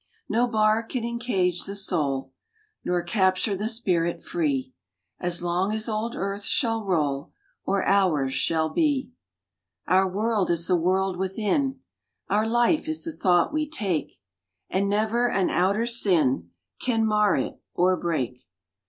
No bar can encage the soul, Nor capture the spirit free, As long as old earth shall roll, Or hours shall be. Our world is the world within, Our life is the thought we take, And never an outer sin Can mar it or break.